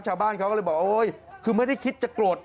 ชาวบ้านเขาก็เลยบอกโอ๊ยคือไม่ได้คิดจะโกรธ